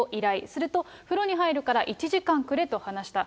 すると、風呂に入るから１時間くれと話した。